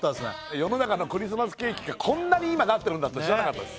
世の中のクリスマスケーキがこんなに今なってるんだって知らなかったです